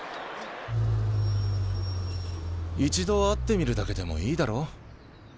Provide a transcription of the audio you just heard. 一度会ってみるだけでもいいだろう。